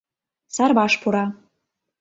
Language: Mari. Сарваш пура.